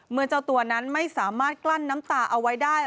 เจ้าตัวนั้นไม่สามารถกลั้นน้ำตาเอาไว้ได้